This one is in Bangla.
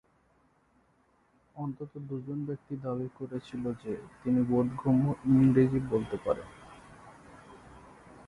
অন্তত দুজন ব্যক্তি দাবি করেছিল যে, তিনি বোধগম্য ইংরেজি বলতে পারেন।